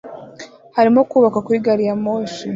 Harimo kubakwa kuri gari ya moshi